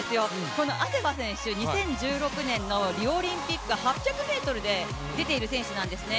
このアセファ選手、２０１６年のリオオリンピック８００ｍで出ている選手なんですね